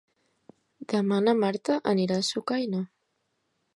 Demà na Marta anirà a Sucaina.